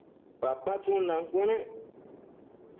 papa tsundan cuënec